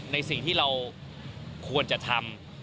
ในสิ่งที่เราควรจะทำ